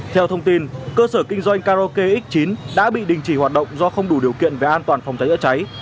theo thông tin cơ sở kinh doanh karo kx chín đã bị đình chỉ hoạt động do không đủ điều kiện về an toàn phòng cháy ở cháy